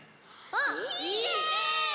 あっいいね！